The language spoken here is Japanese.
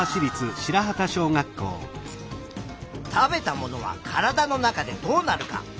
「食べたものは体の中でどうなるか」。